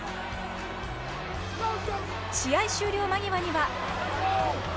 試合終了間際には。